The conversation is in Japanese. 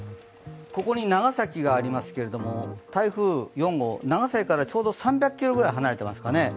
ここに長崎がありますけれども、台風４号、長崎からちょうど３００ｋｍぐらい離れていますかね。